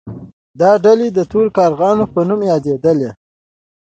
دا ډلې د تورو کارغانو په نوم یادیدلې.